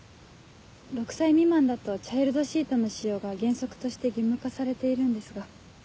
６歳未満だとチャイルドシートの使用が原則として義務化されているんですが。